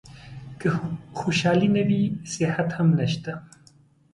که خوشالي نه وي صحت هم نشته .